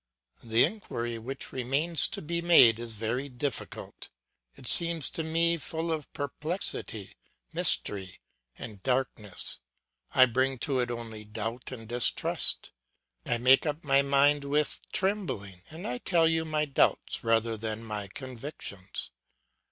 The inquiry which remains to be made is very difficult. It seems to me full of perplexity, mystery, and darkness; I bring to it only doubt and distrust. I make up my mind with trembling, and I tell you my doubts rather than my convictions.